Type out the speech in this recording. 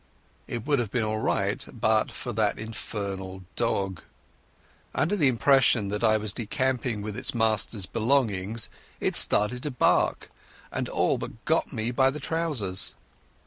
It would have been all right but for that infernal dog. Under the impression that I was decamping with its master's belongings, it started to bark, and all but got me by the trousers.